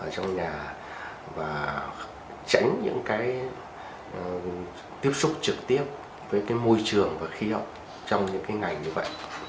tránh những cái tiếp xúc trực tiếp với cái môi trường và khí hậu trong những cái ngày như vậy